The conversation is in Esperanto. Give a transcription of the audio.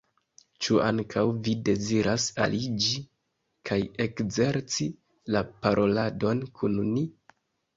Ĉu ankaŭ vi deziras aliĝi kaj ekzerci la paroladon kun ni?